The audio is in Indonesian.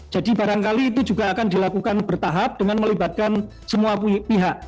jadi barangkali itu juga akan dilakukan bertahap dengan melibatkan semua pihak